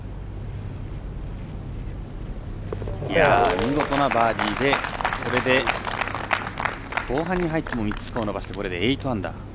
見事なバーディーでこれで後半に入っても３つ、スコアを伸ばしてこれで８アンダー。